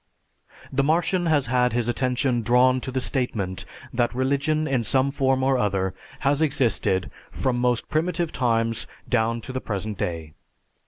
The Martian has had his attention drawn to the statement that religion in some form or other has existed from most primitive times down to the present day.